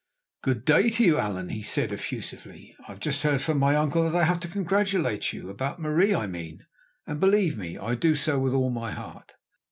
"Good day to you, Allan," he said effusively. "I have just heard from my uncle that I have to congratulate you, about Marie I mean, and, believe me, I do so with all my heart."